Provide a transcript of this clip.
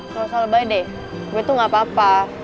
lo salah baik deh gue tuh gak apa apa